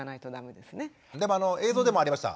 でも映像でもありました。